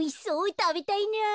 たべたいなあ。